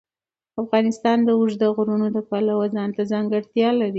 افغانستان د اوږده غرونه د پلوه ځانته ځانګړتیا لري.